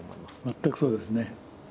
全くそうですね。